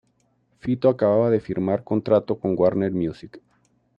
Fito acababa de firmar contrato con Warner Music.